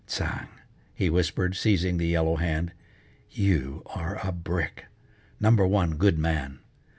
"Tsang!" he whispered, seizing the yellow hand, "You are a brick! Number one good man.